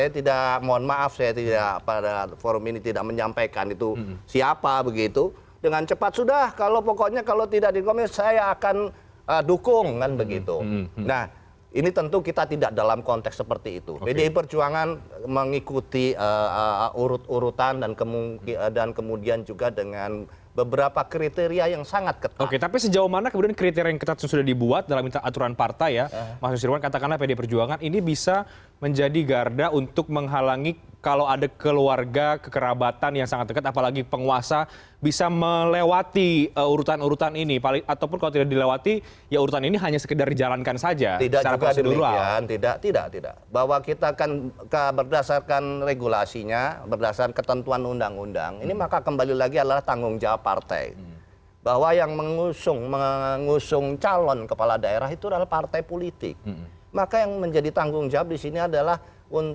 tapi maksudnya adalah dari sisi kapasitas kemudian elektabilitas itu yang menjadi acuan